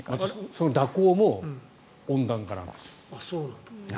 蛇行も温暖化なんですよ。